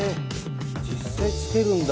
実際付けるんだ。